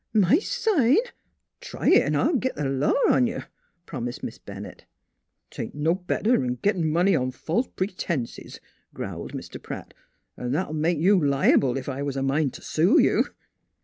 My sign? Try it, an' I'll git th' law on you !" promised Miss Bennett. ' 'Tain't no better 'n gittin' money on false p'r tenses," growled Mr. Pratt. " An' that'll make you liable, ef I was a min' t' sue you."